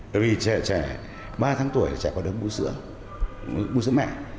tại vì trẻ ba tháng tuổi trẻ có đứa bú sứa bú sứa mẹ